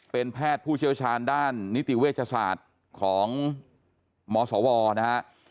เป็นแพทย์ผู้เชี่ยวชาญด้านนิติเวชศาสตร์ของมศวนะฮะ